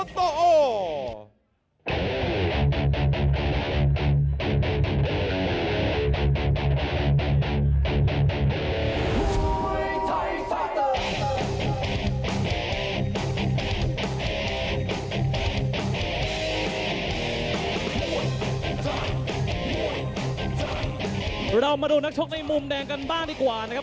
เรามาดูนักชกในมุมแดงกันบ้างดีกว่านะครับ